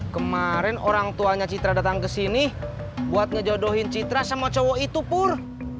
kemarin orang tuanya citra datang ke sini buat ngejodohin citra sama cowok itu pur